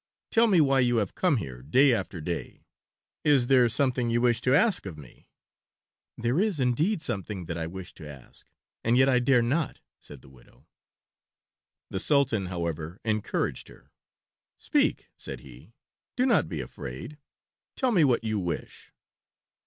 Tell me why you have come here day after day. Is there something you wish to ask of me?" "There is indeed something that I wish to ask, and yet I dare not," said the widow. The Sultan, however, encouraged her. "Speak," said he. "Do not be afraid. Tell me what you wish."